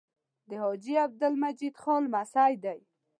د حاجي عبدالمجید خان لمسی دی.